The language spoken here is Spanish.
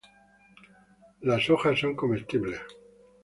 Las hojas son comestibles.